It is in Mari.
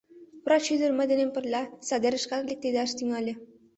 Врач ӱдыр мый денем пырля садерышкат лектедаш тӱҥале.